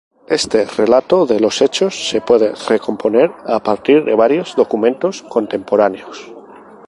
Este relato de los hechos se puede recomponer a partir de varios documentos contemporáneos.